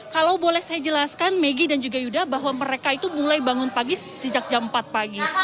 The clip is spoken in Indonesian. kalau boleh saya jelaskan megi dan juga yuda bahwa mereka itu mulai bangun pagi sejak jam empat pagi